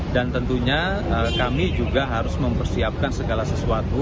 dan tentunya kami juga harus mempersiapkan segala sesuatu